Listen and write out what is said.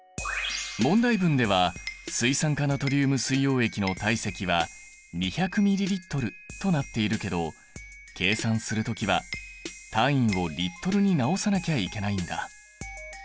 問題文では水酸化ナトリウム水溶液の体積は２００ｍＬとなっているけど計算するときは単位をＬに直さなきゃいけないんだ。